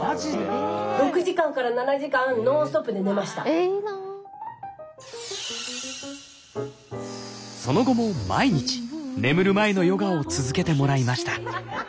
えいいな。その後も毎日眠る前のヨガを続けてもらいました。